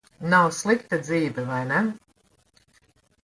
Nav slikta dzīve, vai ne?